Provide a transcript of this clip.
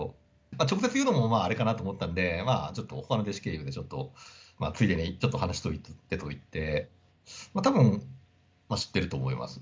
直接言うのもあれかなと思ったので、ちょっと、ほかの弟子経由でちょっとついでに、ちょっと話しておいてといって、たぶん、知ってると思います。